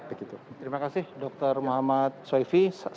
baik terima kasih dokter muhammad soefi